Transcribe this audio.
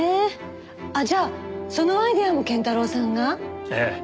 あっじゃあそのアイデアも謙太郎さんが？ええ。